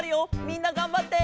みんながんばって！